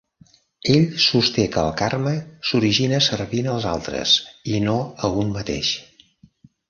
Ell sosté que el Karma s'origina servint als altres i no a un mateix.